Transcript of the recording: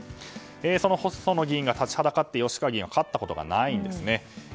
その細野議員が立ちはだかって吉川議員は勝ったことがないんです。